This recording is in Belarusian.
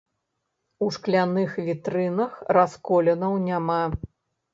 У шкляных вітрынах расколінаў няма.